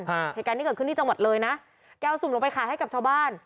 เหตุการณ์ที่เกิดขึ้นที่จังหวัดเลยนะแกเอาสุ่มลงไปขายให้กับชาวบ้าน